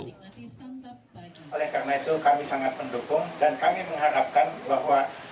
oleh karena itu kami sangat mendukung dan kami mengharapkan bahwa